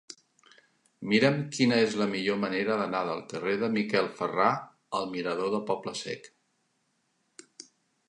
Mira'm quina és la millor manera d'anar del carrer de Miquel Ferrà al mirador del Poble Sec.